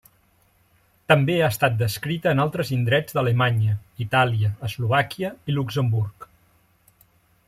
També ha estat descrita en altres indrets d'Alemanya, Itàlia, Eslovàquia i Luxemburg.